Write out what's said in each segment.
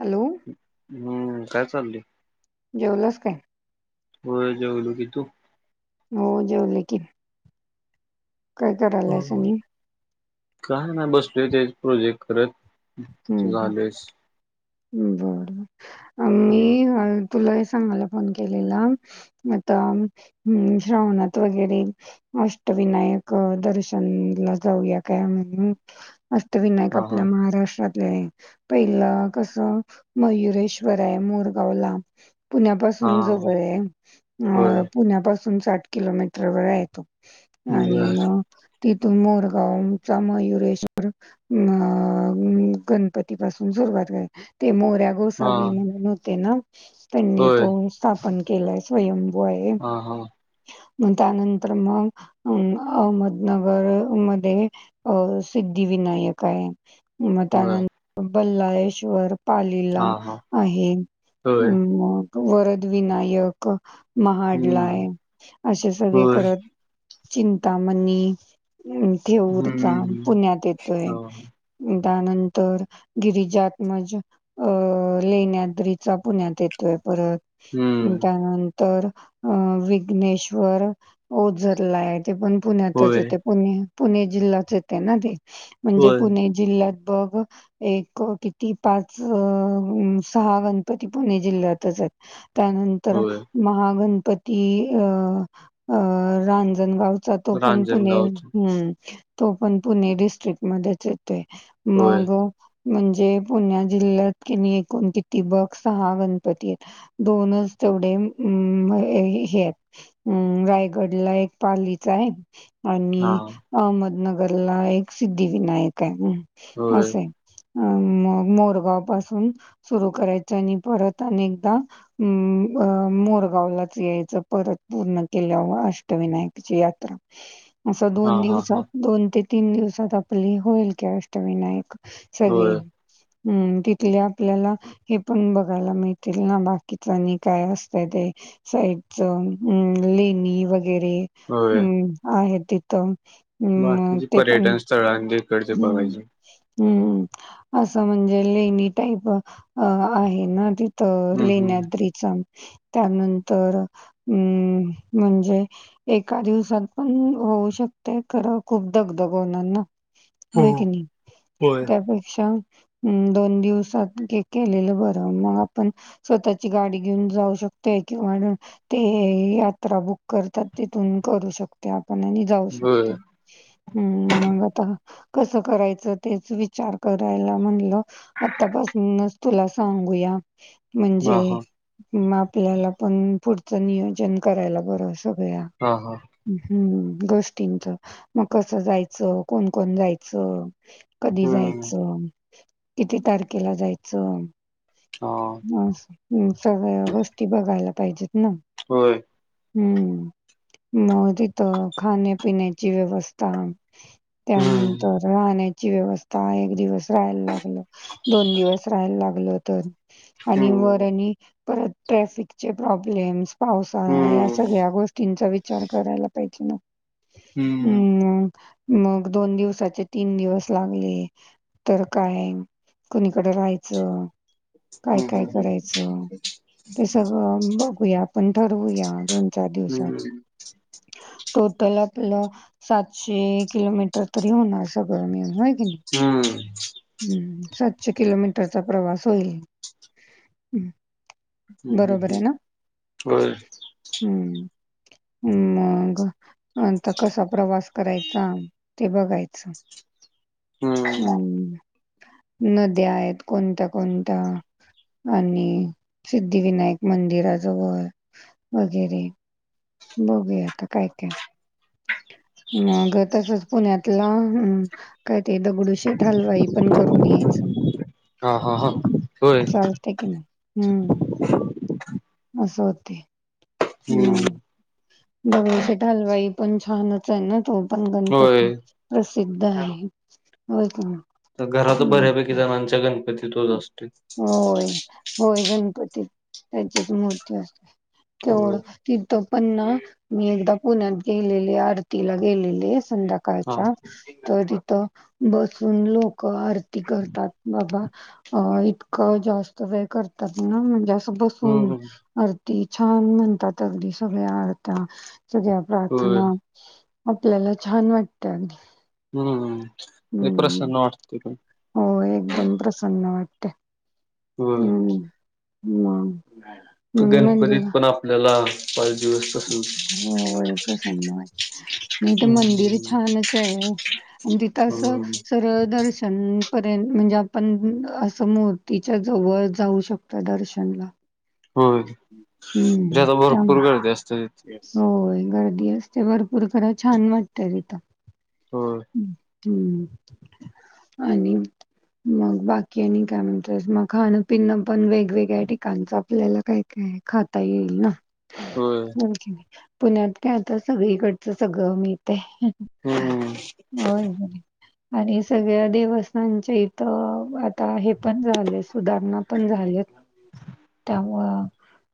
Hello हम्म काय चालय. जेवलास काय? होय जेवलो की. तू? हो जेवले की. काय करायलायस आणि काय नाय बसलोय तेच प्रोजेक्ट करत. तू झालंस. बरर हम्म. मी तुला हे सांगायला फोन केलेला. आता हम्म श्रावणात वगैरे. अष्टविनायक दर्शन ला जाऊया काय म्हण. अष्ठविनायक हा हा आपल्या महाराष्ट्रातले पहिलं. कस मयुरेश्वरा आहे मोरगाव ला. हा पुण्यापासून जवळ आहे, होय पुण्यापासून साठ किलोमीटर वर येतो. आणि बर मग तिथून मोरगावचा मयुरेश्वर. गणपती पासून सुरुवात आहे. ते मोऱ्या हा गोसावी म्हणून होते ना. त्यांनी होय तो स्थापन केलाय स्वयंभू आहे. हा हा मग त्यानंतर मग अहमदनगर मध्ये. सिद्धि-विनायक आहे, मग बर त्यानंतर बल्लाळेश्वर. हा पालीला हा आहे होय मग वरद विनायक. महाड ला हम्म आहे. असे सगळे होय करत चिंतामणी. थेऊरचा हम्म पुण्यात येतोय हा त्यानंतर गिरिजा. म्हणजे अ लेण्याद्रीचा पुण्यात येतोय परत हम्म त्यानंतर. तर विघ्नेश्वर ओझर ला हे ते पण होय पुण्यातचथे. पुणे पुणे जिल्हाच येते ना ते म्हणजे होय पुणे. जिल्ह्यात बघ एक क. ती पाच सहा गणपती पुणे जिल्ह्यातच आहेत त्यानंतर. होय महागणपती अ अ रांजणगाव. तो पण पुणे रांजणगावच ह्म्म तो पण पुणे डिस्ट्रिक मध्येच येतोय. होय मग म्हणजे. पुण्या जिल्ह्यात किणी एकूण किती बघ सहा गणपती आहेत. दोनच तेवढे ह्म्म हे. ह्म्म रायगड ला एक पालीचा आहे. हा आणि अहमदनगरला एक सिद्धिविनायक आहे होय असं आहे. अ म मोरगाव पासून सुरु करायचं आणि परत अनेकदा. अम् अ मोरगावलाच यायचं परत पूर्ण केल्यावरं अष्टविनायकची यात्रा. असं हा दोन हा हा दिवसात दोन ते तीन दिवसात आपली होईल काअष्टविनायक. सगळे होय हम्म तिथले आपल्याला. हे पण बघायला मिळतील ना बाकीच आणि काय असतयं ते. साईडच हम् लेणी वगैरे. होय हम्म आहे तिथं. बाकीची पर्यटन स्थळं आणली. हम्म. हम्म असं म्हणजे लेणी टाईप अ आहे ना ति. तर हम्म हम्म लेण्याद्रीचा त्यानंतर हम् म्हणजे. एका दिवसात पण होऊ शकतय खरं खूप दगदग होणार ना. हो की नाही होय त्यापेक्षा. हम् दोन दिवसात केलेलं बरं मग आपण. स्वतःची गाडी घेऊन जाऊ शकतोय किंवा. ते यात्रा बुक करतात तिथून करू शकतोय आपण आणि. जाऊ होय शकतो हूं मंग आता? कस करायचं तेच विचार करायला म्हणलं आतापासूनच. तुला सांगूया म्हणजे. हां, हां. म आपल्याला पण पुढचं नियोजन, करायला बरं सगळ्या. हा हा! हूं गोष्टींच म कसं जायचं कोण, कोण जायचं. कधी हं. जायचं किती तारखेला जायचं. हा! मं हू सगळ्या गोष्टी बघायला पाहिजेत ना? होय! हू म तिथं खाण्यापिण्याची व्यवस्था. हं. त्यानंतर राहण्याची व्यवस्था, एक दिवस राहायला लागलं दोन दिवस‌. त्राहायला लागलतर, आणि वर हं. आणि परत ट्रॅफिकचे प्रॉब्लेम्स. पावसाळा या हं. सगळ्या गोष्टींचा विचार करायला पाहिजे ना. हू हं. मंग! मग दोन दिवसाचे तीन दिवस लागले तर काय. कुणीकडं राहायचं, काय हं, काय हं, हं. करायचं. ते सगळं बघूया, आपण ठरवूया, दोन चार दिवसात. हं. तो पहिला, पहिला सातशे एक. किलोमीटर तरी होणार सगळं मिळून, होय की हं. नाही हू सात शे किलोमीटरचा प्रवास होईल हं. हं, हं, बरोबर हे हं. ना. होय. हू मंग आता कसा प्रवास कराय चामं ते बघायचं हं. मं. नद्या आहेत कोणत्या, कोणत्या. आणि सिद्धिविनायक मंदिराजवळ वगैरे. बघूयां आता काय, काय. मग तसच पुण्यातला हू! काय ते दगडूशेठ हलवाई पण करून यायचं. हां, हां, हां. होय. चालतं की म. हू असं होतय. मं हं. दगडूशेठ हालवाई पण छानच आहे ना तो. पण गणपती होय. प्रसिद्ध आहे होय की नाही. त घरात हं, बऱ्यापैकी हं, जणांच्या गणपती तोच हं. असतोय. होय, होय गणपतीत त्यांचीच मूर्ती असते तेवढं. होय. तिथ पण ना मी एकदा पुण्यात गेलेले आरतीला गेलेले संध्या काय हां. च्या त तिथं बसून लोक आरती करतात बाबा. अ इतकं जास्त वेळ करतात ना म्हणजे असं हं, बसून. हं. आरती छान म्हणतात अगदी सगळ्या आरत्यां सगळ्या होय. प्रार्थना. आपल्याला छान वाटतं अगदी. हू लयी हम्म प्रसन्न वाटते पन. हो एकदम प्रसन्न वाटते. होय! मंग. तो गणपतीत पण आपल्याला. पाच दिवस तसंच होय प्रसन्न वाटतयं. नाही तर मंदिरी हं. छानच आहे. आणि तिथं असं हं. सरळ दर्शन पर्यंत म्हणजे आपण असं मूर्तीच्या जवळ जाऊ शकतो दर्शनला. होय. हम्म त्याम कधी आश्चरीत होय गर्दी असते भरपूर खरं छान वाटत तिथं. होय. हम्म आणि? मग बाकी आणि काय म्हणतोयस? मग खाणं पिणं पण वेगवेगळ्या ठिकाणचं आपल्याला काय काय खाता येईल ना? होय. होय की पुण्यात काय आता सगळीकडचं सगळं मिळतेय. हम्म. होय होय. आणि सगळ्या देवस्थानच्या इथं आता हे पण झालय सुधारणा पण झालेत. त्यामुळ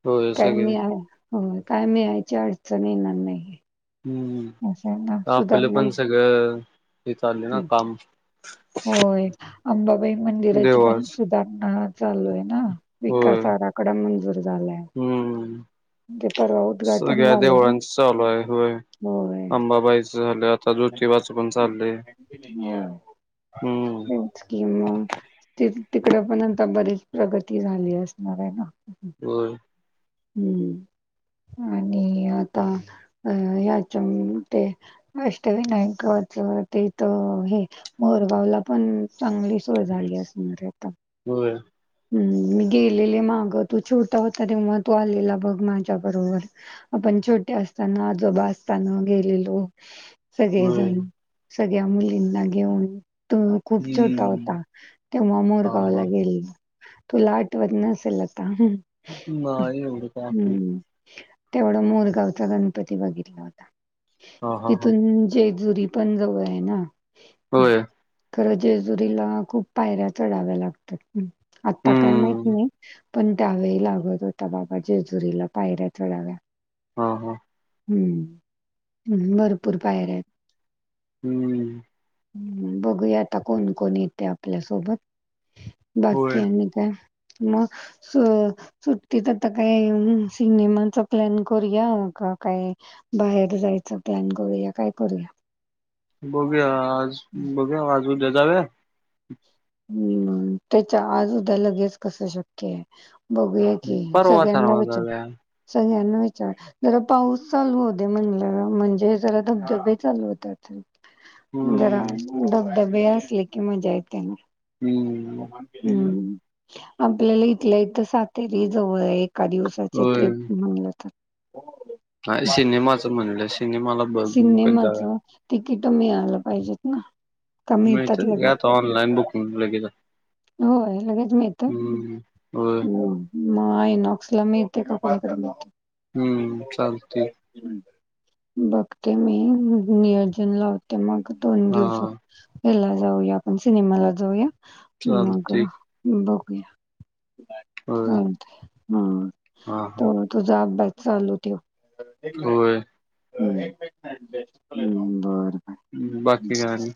होय काही सगळे मी आन् होय काय मिळायची अडचण येणार नाही. हम्म असं आहे ना आपलं सुधारणा पण सगळं हे चाललंय ना हं, काम होय अंबाबाई मंदिराची पण देवाच सुधारणा चालू आहे ना? होय विकास आराखडा मंजूर झालाय. हम्म ते परवा उद्घाटन सगळ्या झालं ना देवळांच चालू आहे होय. होय. अंबाबाईच झालं. आता ज्योतिबाच पण चाललय. होय. होयच की मग तेच तिकड पण आता बरीच प्रगती झाली असणार आहे ना? होय. हम्म आणि आता होय - होय याच्याम् ते अष्टविनायकाच ते त हे मोरगावला पण चांगली सोय झाली असणार आहे आता. होय. हम्म मी गेलेले माग तू छोटा होता तेव्हा तू आलेला बघ माझ्या बरोबर. आपण छोटे असताना. आजोबा असताना गेलेलो. होय सगळेजण सगळ्या मुलींना घेऊन. तु खूप छोटा हम्म होता. तेव्हा हा हा मोरगावला गेल तूला आठवत नसेल आता हम्म - नाही एवढं काय असेल हम्म. तेवढा मोरगावचा गणपती बघितला होता. हा हा हा तिथून जेजुरी पण जवळ आहे ना? होय खरं जेजुरीला खूप पायऱ्या चढाव्या लागतात. आता काय माहित हम्म नाही. पण त्यावेळी लागत होता बाबा जेजुरीला पायऱ्या चढाव्या. हा हा. हम्म ह् भरपूर पायऱ्या आहेत. हम्म. हम्म बघूया आता कोण कोण येतय आपल्यासोबत. ब होय मी काय? म स सुट्टीत आता काय सिनेमांचा प्लॅन करूया का काय? बाहेर जायचं प्लॅन करूया? काय करूया? बघूया आज बघूया आजू उद्या जावूया? हम्म त्याच्या आज उद्या लगेच कस शक्य आहे? बघूया की परवा सगळ्यांना ठरवा विचार. जाऊया सगळ्यांना विचार. जरा पाऊस चालू हो दे म्हणल. म्हणजे जरा धबधबे चालू होत्यात रे. जरा हम्म धबधबे असले की मजा येतेना? हम्म. हम्म आपल्याला इथल्या - इथं सातेरी जवळाय एक. एका दिवसाची होय ट्रीप म्हणलं तर. हा सिनेमाचं म्हणलं. सिनेमाला बघू कधी जाऊया? तिकिट मिळालं पाहिजेत ना? का मिळतात मीळत्यात की लगेच? आता ऑनलाईन बुकींग लगेच होय लगेच मिळतोय? हम्म होय मग मग आईनॉक्सला मिळतय का कॉल कर मग. हम्म चालतंय हम्मत बघते मी नियोजन लाव ते मग दोन हा दिवसात याला जाऊया आपण सिनेमाला जाऊया. मग चालतंय बघूया. होय चालतय. हा. हा हा तर तुझा अभ्यास चालू ठेव. होय. होय. हम्म. बर. हम्म बाकी काय आणि?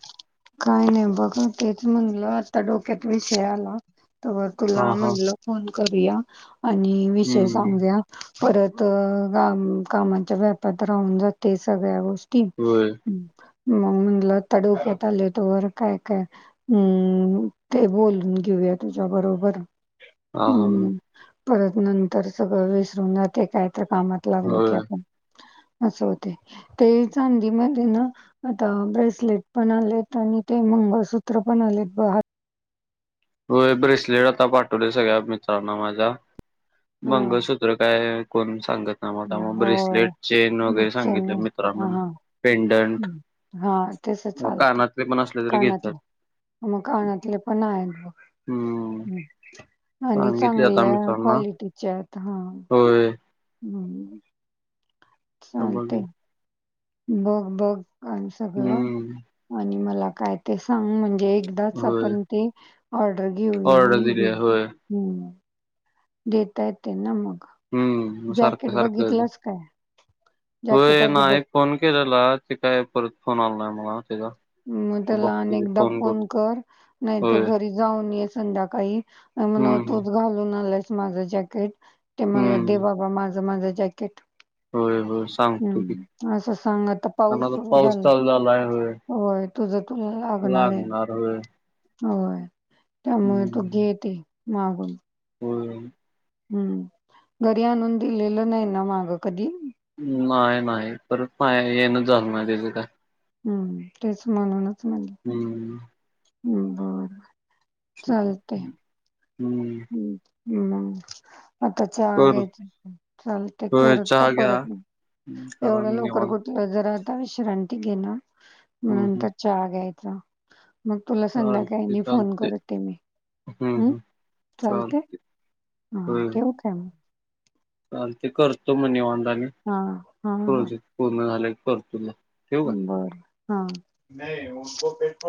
काय नाही. बघा तेच म्हणलं. आता डोक्यात विषय आला. तर हा तुला हा म्हणलं फोन करूया आणि विषय हम्म सांग या परत काम - कामाच्या व्यापात राहून जातय सगळ्या गोष् टी होय हम् मग म्हणलं आत्ता डोक्यात आलय तवर काय -काय हम् ते बोलून घेऊया तुझ्या बरोबर हा हा हा हम्. परत नंतर सगळं विसरून जातय. काय तर कामात लागलो की होय आपण. असं होतय. ते चांदी मध्ये ना? आता ब्रेसलेट पण आलेत आणि ते मंगळसूत्र पण आलेत ब हा - - होय ब्रेसलेट आता पाठवले सगळ्या मित्रांना माझ्या. हा मंगळसूत्र काय - - कोण सांगत ना म आता. मग होय ब्रेसलेट चेन हं, वगैरे सांगितलं चेन्नई मित्रांना हा हा पेंडंट हा तस किंवा चालते कानातले पण असले तरी घेतात. कानातले मग कानाातले पण आहेत बघ. हम्म. आणि सांगितले आता चांगल्या मित्रांना क्वालिटीच्यात हा. होय म्हणून आता बघू चालतय. बघ -बघ आणि सगळं. हम्म आणि मला काय ते सांग म्हणजे एकदाच होय आपण ते ऑर्डर घेऊया ऑर्डर आणि दिली घेऊ. आहे. होय हम्म. देता येते ना मग. हम्म सारखं जॅकेट सारखं बघितलास काय? जॅकेट होय आधी बघ. नाही फोन केलेला. ते काय परत फोन आला नाही मला तिचा. म त्याला आणि एकदा फोन कर. नाही तू होय घरी जाऊन ये संध्याकाळी. आणि म्हणाव हम्म तूच घालून आलायस माझ जॅक थेट ते मला दे हम्म बाबा माझं -माझं जॅकेट. होय होय सांगतो की, हम्म असं सांग आता कान पाऊस आता सुरू पाऊस झाला चालू झालाय होय. होय तुझं तुला आहे लागणार होय. होय त्यामुळे तू गेते मागून. हो! हू घरी आणून दिलेलं नाही ना माग कधी. नाही, नाही परत पा येण झाल नाही त्याच काय. हू तेच म्हणूनच म्हणलं. [inaudible] हू बर. हू! हू मं. आता चहा करतो घ्यायच चालते होय करतो चहा घ्या परत मी करा एवढ्या लवकर निवांत कुठ? त जरा आता विश्रांती घेण, मं हम्म हम्म नंतर चहा घ्यायचा. मग तुला संध्याकाळी चालते नी फोन चालते करतते मी हम्म हू! हम्म चालते हा ठेऊ काय मं. चाल ते करतो मणे ओंडाने. हा हा हा! पूर्ण झालं पर तुल्ला. बर हा नाही उनको पेप.